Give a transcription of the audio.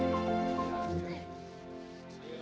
aku juga mau